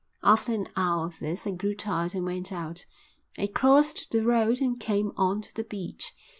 After an hour of this I grew tired and went out. I crossed the road and came on to the beach.